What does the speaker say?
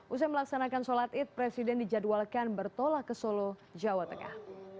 usai melaksanakan sholat id presiden dijadwalkan bertolak ke solo jawa tengah